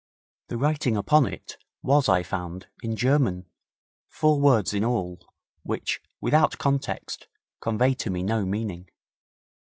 The writing upon it was, I found, in German, four words in all, which, without context, conveyed to me no meaning.